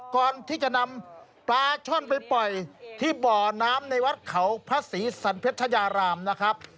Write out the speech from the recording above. ก่อนที่จะนำปลาช่อนไปปล่อยที่บ่อน้ำในวัดเขาพระศรีสันเพชรยารามนะครับ